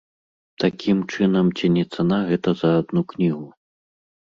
Такім чынам, ці не цана гэта за адну кнігу?